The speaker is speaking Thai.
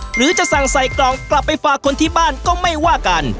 หรือจะสั่งใส่กล่องกลับไปฝากคนที่บ้านก็ไม่ว่ากัน